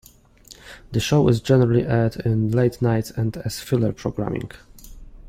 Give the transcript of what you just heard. The show is generally aired in late nights and as filler programming.